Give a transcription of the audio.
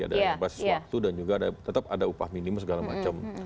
ada basis waktu dan juga tetap ada upah minimum segala macam